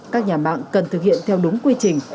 các nhà mạng cần thực hiện theo đúng quy trình